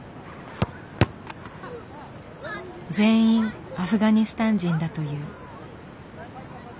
全員アフガニスタン人だという。